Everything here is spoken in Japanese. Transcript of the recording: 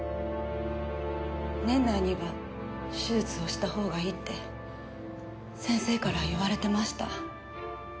年内には手術をした方がいいって先生から言われてました。